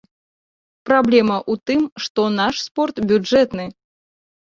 Праблема ў тым, што наш спорт бюджэтны.